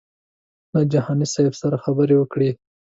له جهاني صاحب سره خبرې وکړې.